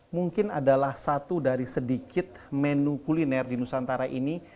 mungkin adalah satu dari sedikit menu kuliner di nusantara ini